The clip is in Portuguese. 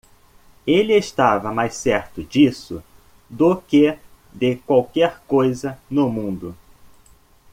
Ele estava mais certo disso do que de qualquer coisa no mundo.